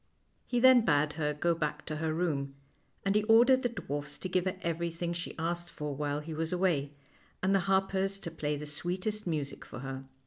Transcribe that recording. He then bade her go back to her room, and he ordered the dwarfs to give her everything she asked for while he was away, and the harpers to play the sweetest music for her.